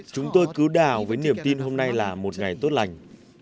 chúng tôi cứu đào với niềm tin hôm nay là một ngày tốt lành